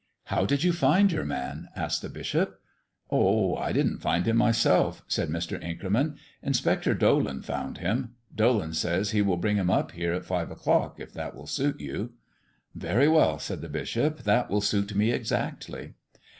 "How did you find your man?" asked the bishop. "Oh, I didn't find him myself," said Mr. Inkerman. "Inspector Dolan found him. Dolan says he will bring him up here at five o'clock, if that will suit you." "Very well," said the bishop; "that will suit me exactly."